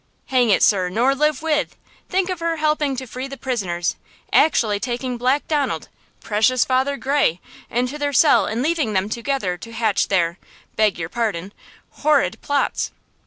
"Hang it, sir, nor live with! Think of her helping to free the prisoners! Actually taking Black Donald–precious Father Gray!–into their cell and leaving them together to hatch their–beg you pardon–horrid plots!